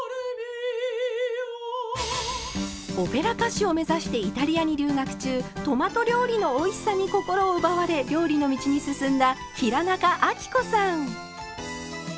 オペラ歌手を目指してイタリアに留学中トマト料理のおいしさに心を奪われ料理の道に進んだ平仲亜貴子さん。